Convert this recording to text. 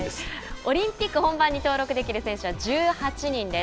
オリンピック本番に登録できる選手は１８人です。